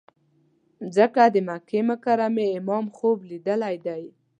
ځکه د مکې مکرمې امام خوب لیدلی دی.